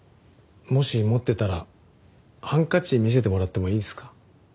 もし持ってたらハンカチ見せてもらってもいいですか？